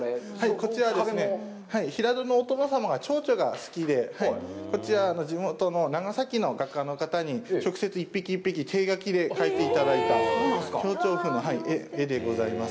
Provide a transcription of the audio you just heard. こちら、平戸のお殿様はチョウチョウが好きで、こちら、地元の長崎の画家の方に直接、１匹１匹、手描きで描いていただいた絵でございます。